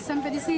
sampai di sini